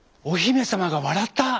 おひめさまがわらった」。